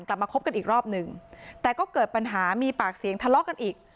กลับมาคบกันอีกรอบหนึ่งแต่ก็เกิดปัญหามีปากเสียงทะเลาะกันอีก